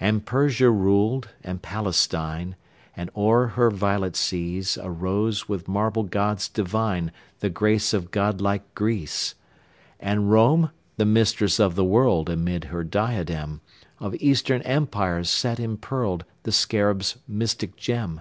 And Persia ruled and Palestine; And o'er her violet seas Arose, with marble gods divine, The grace of god like Greece. And Rome, the Mistress of the World, Amid her diadem Of Eastern Empires set impearled The Scarab's mystic gem.